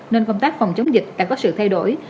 nên công tác phòng chống dịch đã có sự thay đổi